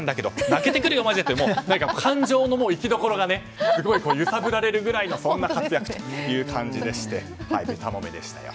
泣けてくるよマジでって感情の行きどころがすごい揺さぶられるぐらいの活躍という感じでベタ褒めでしたよ。